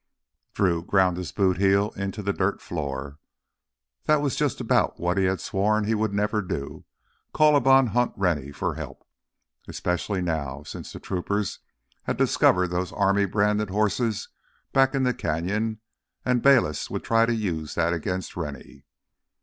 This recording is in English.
Drew ground his boot heel into the dirt floor. That was just what he had sworn he would never do—call upon Hunt Rennie for help. Especially now, since the troopers had discovered those army branded horses back in the canyon and Bayliss would try to use that against Rennie.